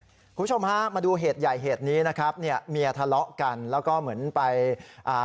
คุณผู้ชมฮะมาดูเหตุใหญ่เหตุนี้นะครับเนี่ยเมียทะเลาะกันแล้วก็เหมือนไปอ่า